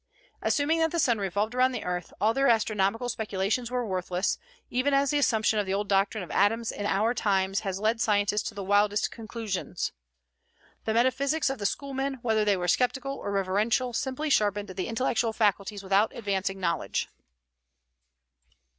Assuming that the sun revolved around the earth, all their astronomical speculations were worthless, even as the assumption of the old doctrine of atoms in our times has led scientists to the wildest conclusions. The metaphysics of the Schoolmen, whether they were sceptical or reverential, simply sharpened the intellectual faculties without advancing knowledge.